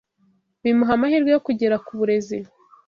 Bimuha amahirwe yo kugera ku burezi